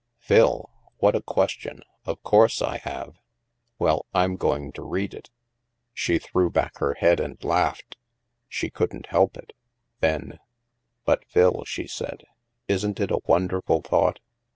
" Phil ! What a question ! Of course I have." '' Well, I'm going to read it." She threw back her head and laughed. She couldn't help it. Then : "But, Phil," she said, "isn't it a wonderful thought